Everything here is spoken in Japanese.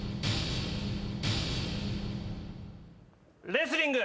レスリング！